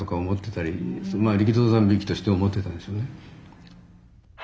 まあ力道山びいきとして思ってたんですよね。